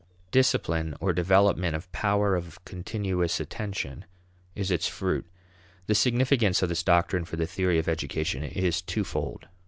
Discipline or development of power of continuous attention is its fruit. The significance of this doctrine for the theory of education is twofold.